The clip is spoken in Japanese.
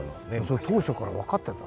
それ当初から分かってた。